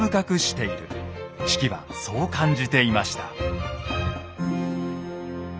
子規はそう感じていました。